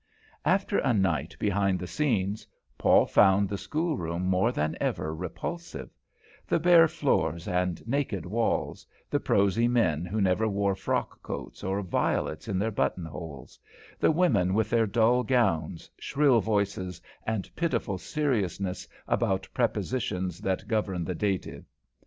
After a night behind the scenes, Paul found the school room more than ever repulsive; the bare floors and naked walls; the prosy men who never wore frock coats, or violets in their buttonholes; the women with their dull gowns, shrill voices, and pitiful seriousness about prepositions that govern the dative.